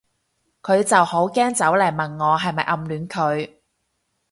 佢就好驚走嚟問我係咪暗戀佢